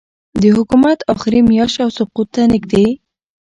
د حکومت آخري میاشت او سقوط ته نږدې